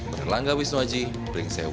berlangga wisnuaji pring sewu